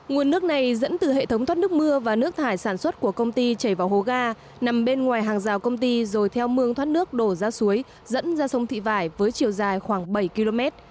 nguồn nước này dẫn từ hệ thống thoát nước mưa và nước thải sản xuất của công ty chảy vào hố ga nằm bên ngoài hàng rào công ty rồi theo mương thoát nước đổ ra suối dẫn ra sông thị vải với chiều dài khoảng bảy km